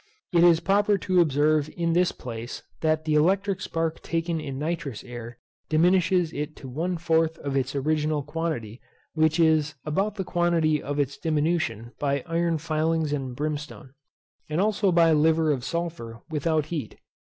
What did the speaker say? It is proper to observe in this place, that the electric spark taken in nitrous air diminishes it to one fourth of its original quantity, which is about the quantity of its diminution by iron filings and brimstone, and also by liver of sulphur without heat.